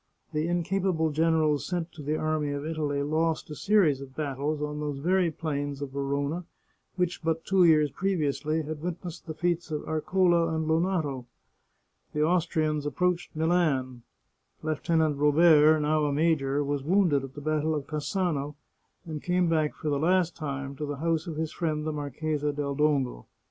The incapable generals sent to the Army of Italy lost a series of battles on those very plains of Verona which but two years previously had witnessed the feats of Areola and Lonato. The Austrians approached Milan; Lieutenant Robert, now a major, was wounded at the battle of Cassano, and came back for the last time to the house of his friend the Marchesa del Dongo.